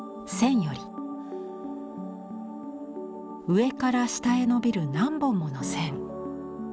上から下へ伸びる何本もの線。